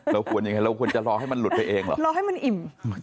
เราควรยังไงเราควรจะรอให้มันหลุดไปเองเหรอรอให้มันอิ่ม